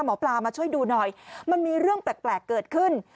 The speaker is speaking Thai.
หมอปลามาช่วยดูหน่อยมันมีเรื่องแปลกเกิดขึ้น